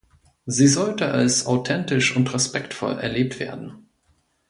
Sie sollte als „authentisch und respektvoll“ erlebt werden.